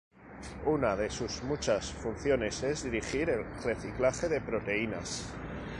Una de sus muchas funciones es dirigir el reciclaje de proteínas.